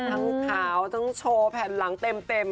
ขาวทั้งโชว์แผ่นหลังเต็ม